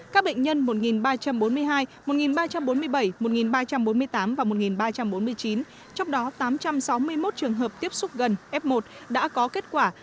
các bệnh nhân một ba trăm bốn mươi hai một ba trăm bốn mươi bảy một ba trăm bốn mươi tám và một ba trăm bốn mươi chín trong đó tám trăm sáu mươi một trường hợp tiếp xúc gần f một đã có kết quả